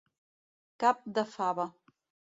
Cap de fava.